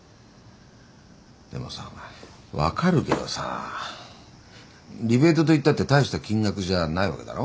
でもさお前分かるけどさリベートっていったって大した金額じゃないわけだろ？